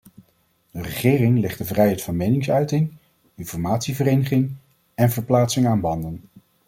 De regering legt de vrijheid van meningsuiting, informatie, vereniging en verplaatsing aan banden.